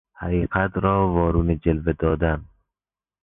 حقیقت را وارونه جلوه دادن